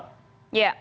ya ya dan